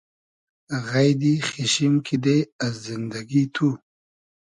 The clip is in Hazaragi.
غݷدی خیچشیم کیدې از زیندئگی تو